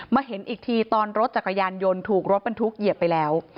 เห็นอีกทีตอนรถจักรยานยนต์ถูกรถบรรทุกเหยียบไปแล้ว